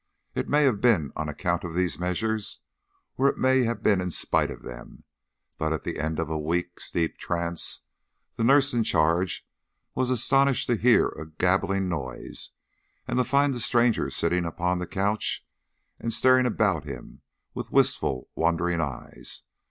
It may have been on account of these measures, or it may have been in spite of them, but at the end of a week's deep trance the nurse in charge was astonished to hear a gabbling noise, and to find the stranger sitting up upon the couch and staring about him with wistful, wondering eyes.